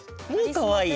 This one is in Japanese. かわいい？